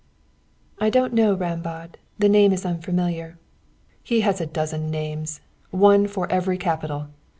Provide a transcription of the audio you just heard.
"I don't know Rambaud. The name is unfamiliar." "He has a dozen names one for every capital.